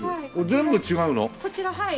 全部違う！？